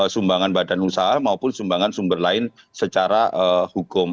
sumbangan badan usaha maupun sumbangan sumber lain secara hukum